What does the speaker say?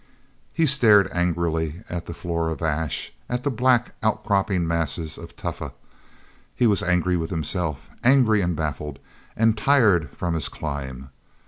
He stared angrily at the floor of ash, at the black, outcropping masses of tufa. He was angry with himself, angry and baffled and tired from his climb.